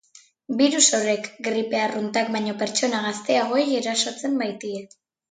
Birus horrek, gripe arruntak baino pertsona gazteagoei erasotzen baitie.